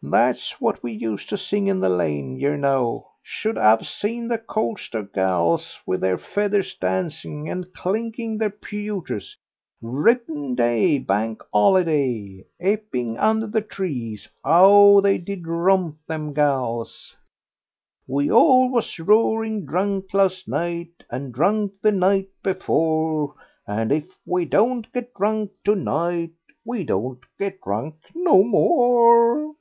"That's what we used to sing in the Lane, yer know; should 'ave seen the coster gals with their feathers, dancing and clinking their pewters. Rippin Day, Bank 'oliday, Epping, under the trees 'ow they did romp, them gals! "'We all was roaring drunk last night, And drunk the night before; And if we don't get drunk to night, We won't get drunk no more.'